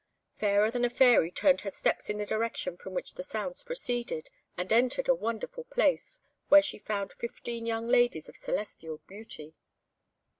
Fairer than a Fairy turned her steps in the direction from which the sounds proceeded, and entered a wonderful place, where she found fifteen young ladies of celestial beauty.